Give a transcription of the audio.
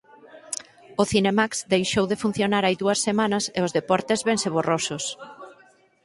O Cinemax deixou de funcionar hai dúas semanas, e os deportes vense borrosos...